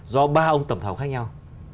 do ba ông tầm thầu khác nhau